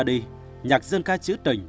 đi nhạc dân ca chữ tình